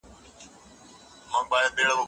ستاسو د لورکۍ په وظيفه او معاش کار نلري